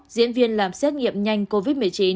diễn viên làm xét nghiệm nhanh covid một mươi chín